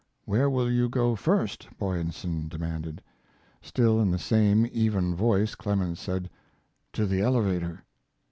"Where will you go first," Boyesen demanded. Still in the same even voice Clemens said: "To the elevator."